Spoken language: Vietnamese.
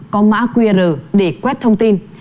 có mã qr để quét thông tin